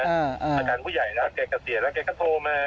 อาจารย์ผู้ใหญ่แล้วแกเกษียณแล้วแกก็โทรมา